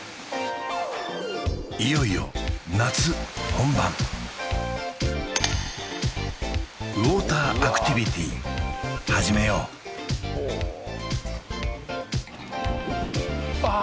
いよいよ夏本番ウォーターアクティビティ始めようああ